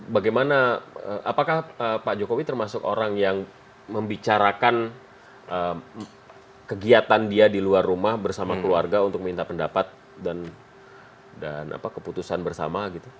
bagaimana apakah pak jokowi termasuk orang yang membicarakan kegiatan dia di luar rumah bersama keluarga untuk minta pendapat dan keputusan bersama gitu